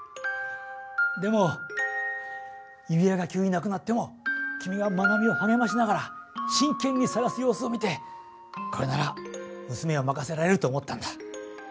でも指輪が急になくなっても君がまなみをはげましながら真けんに探す様子を見てこれならむすめをまかせられると思ったんだ。